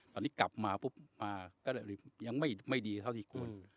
ตอนนี้กลับมาปุ๊บมาก็เลยยังไม่ดีเท่าที่ควร